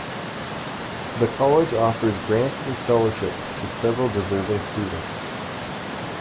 The college offers grants and scholarships to several deserving students.